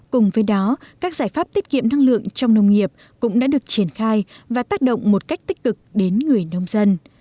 cùng với đó các giải pháp tiết kiệm năng lượng trong nông nghiệp cũng đã được triển khai và tác động một cách tích cực đến người nông dân